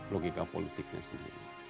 logika politiknya sendiri